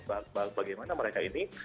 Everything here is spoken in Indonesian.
saya ingin bahas bagaimana mereka ini